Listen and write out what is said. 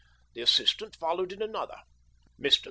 The assistant followed in another. Mr.